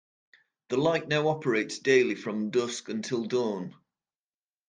The light now operates daily from dusk until dawn.